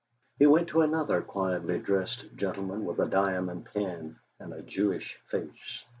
He went to another quietly dressed gentleman with a diamond pin and a Jewish face.